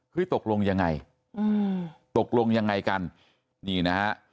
ตกลงยังไงอืมตกลงยังไงกันนี่นะฮะ